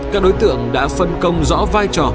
các đối tượng đã phân công rõ vai trò